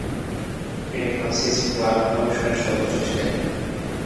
তিনি Francis Floud কমিশনের সদস্য ছিলেন।